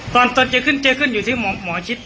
ครับผมตอนเจอขึ้นเจอขึ้นอยู่ที่หมอชิด